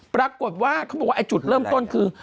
ปรากฏว่าเขาบอกว่าไอ้จุดเริ่มต้นคือ